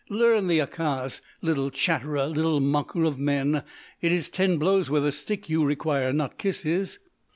'Learn the Yacaz, little chatterer! Little mocker of men, it is ten blows with a stick you require, not kisses!